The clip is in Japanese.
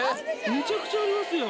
めちゃくちゃありますよ。